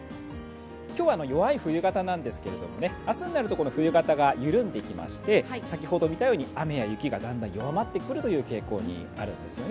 今日は弱い冬型なんですけど、明日になるとこの冬型が緩んでいきまして、先ほど見たように雨や雪がだんだん弱まってくるという傾向にあるんですね。